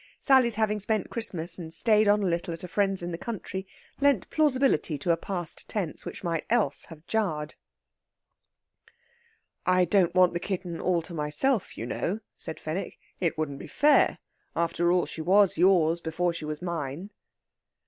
Sally's having spent Christmas and stayed on a little at a friend's in the country lent plausibility to a past tense which might else have jarred. "I don't want the kitten all to myself, you know," said Fenwick. "It wouldn't be fair. After all, she was yours before she was mine."